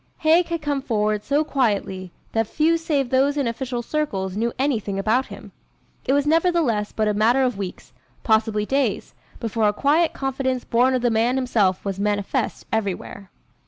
Haig had come forward so quietly that few save those in official circles knew anything about him. It was nevertheless but a matter of weeks, possibly days, before a quiet confidence born of the man himself was manifest everywhere.